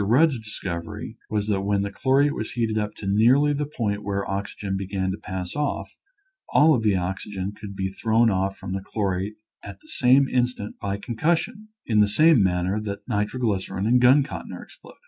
Eudd's discovery was that when the chlorate was heated up nearly to the point where the oxygen began to pass oil, all of the oxygen could be thrown off from the chlorate at the same instant by concussion — in the same manner that nitroglycerin and gun cotton are exploded.